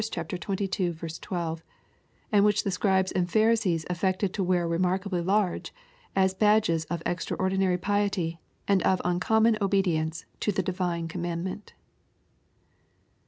xxii. 12), and which the Scribes and Phar isees affected to wear remarkably large, as badges of extraordinary piety, and of uncommon obedience to the divine commandment."